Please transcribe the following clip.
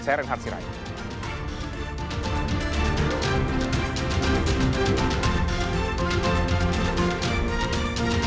saya renhard sirai